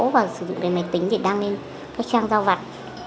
và sử dụng cái máy tính để đăng lên các trang giao vặt